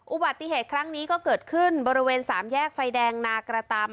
อุบัติเหตุครั้งนี้ก็เกิดขึ้นบริเวณสามแยกไฟแดงนากระตาม